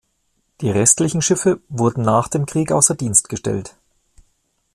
Die restlichen Schiffe wurden nach dem Krieg außer Dienst gestellt.